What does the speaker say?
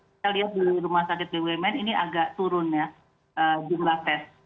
kita lihat di rumah sakit bumn ini agak turun ya jumlah tes